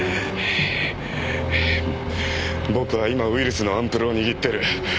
僕は今ウイルスのアンプルを握ってる。